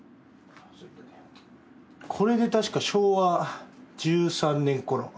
これで確か昭和１３年ころ。